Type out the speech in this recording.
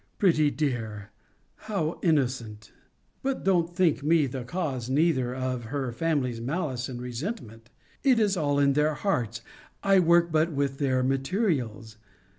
Pretty dear! how innocent! But don't think me the cause neither of her family's malice and resentment. It is all in their hearts. I work but with their materials.